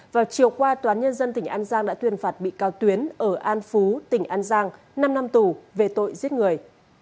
vào chiều qua toán nhân dân tỉnh an giang đã tuyên phạt bị cao tuyến ở an phú tỉnh an giang năm năm tù về tội giết người